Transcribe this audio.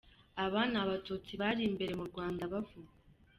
Aba ni abatutsi bari imbere mu Rwanda bavugwa.